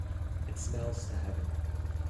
It smells to heaven